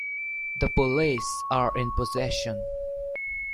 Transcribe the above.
The police are in possession.